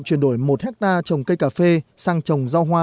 chuyển đổi một hectare trồng cây cà phê sang trồng rau hoa